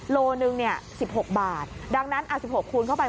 โลหนึ่ง๑๖บาทดังนั้น๑๖คูณเข้าไป